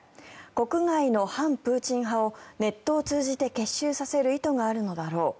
国外の反プーチン派をネットを通じて結集させる意図があるのだろう。